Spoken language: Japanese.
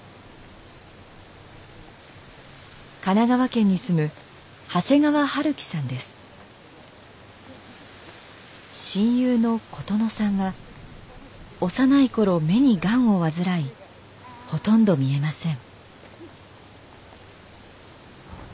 神奈川県に住む親友の琴乃さんは幼い頃目にガンを患いほとんど見えません。